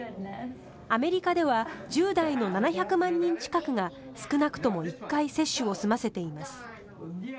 アメリカでは１０代の７００万人近くが少なくとも１回接種を済ませています。